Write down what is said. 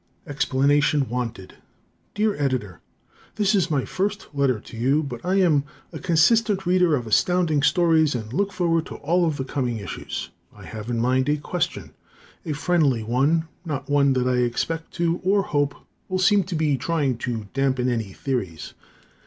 Explanation Wanted Dear Editor: This is my first letter to you, but I am a consistent Reader of Astounding Stories, and look forward to all of the coming issues. I have in mind a question, a friendly one, not one that I expect to or hope will seem to be trying to dampen any theories.